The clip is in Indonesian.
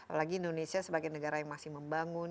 apalagi indonesia sebagai negara yang masih membangun